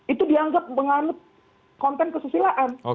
itu dianggap menganut konten kesusilaan